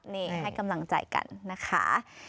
นี่ให้กำลังใจกันนะคะ